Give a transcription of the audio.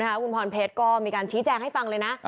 คุณพรเพชรก็มีการชี้แจงให้ฟังเลยนะ